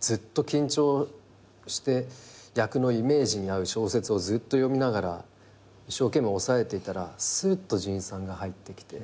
ずっと緊張して役のイメージに合う小説をずっと読みながら一生懸命おさえていたらすっと准一さんが入ってきて。